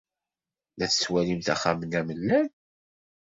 La tettwalimt axxam-nni amellal?